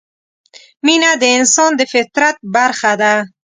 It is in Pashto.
مینه د انسان د فطرت برخه ده.